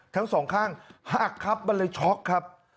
ทั้งสองข้างหักครับมันเลยช็อกครับ